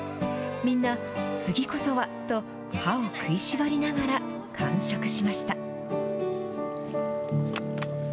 みんな、次こそはと、歯を食いしばりながら、完食しました。